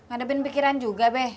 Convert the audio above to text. ademin pikiran juga be